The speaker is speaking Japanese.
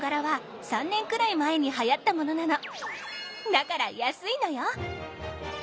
だから安いのよ。